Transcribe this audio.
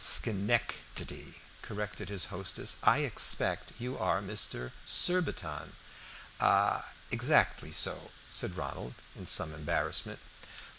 "Sche_nec_tady," corrected his hostess. "I expect you are Mr. Surbiton." "A exactly so," said Ronald, in some embarrassment.